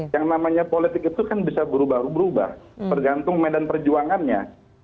yang namanya politik itu kan bisa berubah ubah bergantung medan perjuangannya